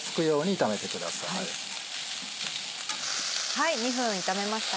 はい２分炒めました。